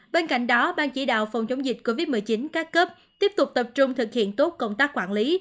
bên cạnh đó ban chỉ đạo phòng chống dịch covid một mươi chín các cấp tiếp tục tập trung thực hiện tốt công tác quản lý